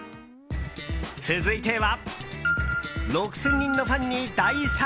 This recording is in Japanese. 続いては。